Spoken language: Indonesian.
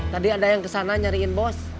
tadi ada yang kesana nyariin bos